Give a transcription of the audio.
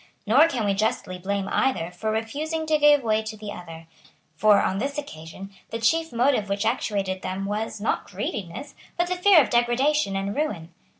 Nor can we justly blame either for refusing to give way to the other. For, on this occasion, the chief motive which actuated them was, not greediness, but the fear of degradation and ruin.